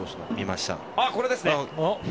これですね。